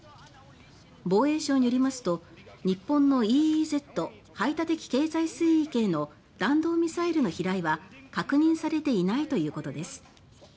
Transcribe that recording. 防衛省によりますと日本のＥＥＺ・排他的経済水域への弾道ミサイルの飛来は確認されていないということです。